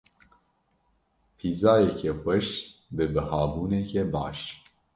Pîzayeke xweş bi bihabûneke baş.